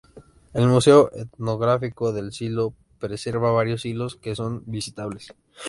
El Museo Etnográfico del Silo preserva varios silos que son visitables.